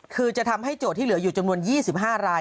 คือจะทำให้โจทย์ที่เหลืออยู่จำนวน๒๕ราย